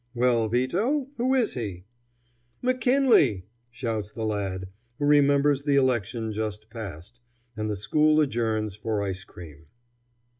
"Well, Vito, who is he?" "McKinley!" shouts the lad, who remembers the election just past; and the school adjourns for ice cream.